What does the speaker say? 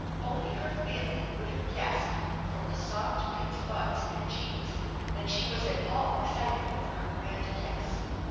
Only her family would have guessed from the soft pink spots in her cheeks that she was at all excited over her grand guest.